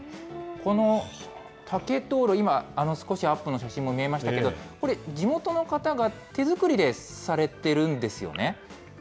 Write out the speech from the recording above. この竹灯籠、今、少しアップの写真も見えましたけど、これ、地元の方が手作りでされてるんですよね？